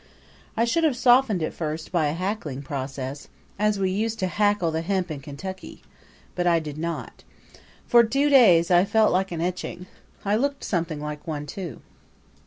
I should have softened it first by a hackling process, as we used to hackle the hemp in Kentucky; but I did not. For two days I felt like an etching. I looked something like one too.